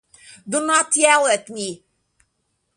Do not yell at me!